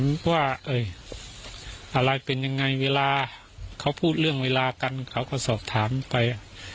ว่าอะไรเป็นยังไงเวลาเขาพูดเรื่องเวลากันเขาก็สอบถามไป